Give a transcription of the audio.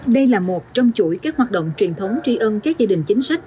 đây là một trong chuỗi các hoạt động truyền thống tri ân các gia đình chính sách